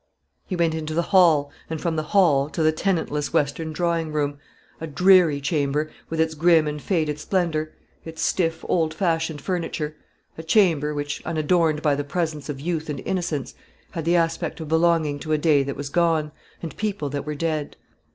He went into the hall, and from the hall to the tenantless western drawing room, a dreary chamber, with its grim and faded splendour, its stiff, old fashioned furniture; a chamber which, unadorned by the presence of youth and innocence, had the aspect of belonging to a day that was gone, and people that were dead.